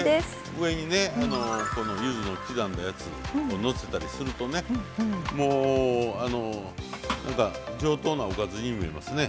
上にゆずの刻んだやつをのせたりするとねもう上等なおかずに見えますね。